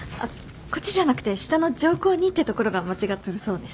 こっちじゃなくて下の条項２ってところが間違ってるそうです。